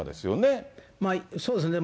そうですね。